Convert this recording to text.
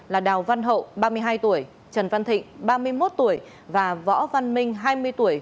là đào văn hậu ba mươi hai tuổi trần văn thịnh ba mươi một tuổi và võ văn minh hai mươi tuổi